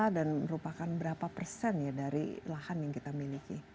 dan merupakan berapa persen ya dari lahan yang kita miliki